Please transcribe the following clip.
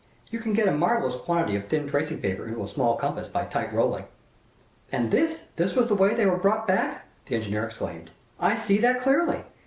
You can get a marvelous quantity of thin tracing paper into a small compass by tight rolling." "And this this was the way they were brought back!" the engineer exclaimed. "I see that clearly.